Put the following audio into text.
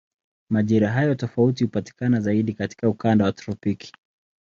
Majira hayo tofauti hupatikana zaidi katika ukanda wa tropiki.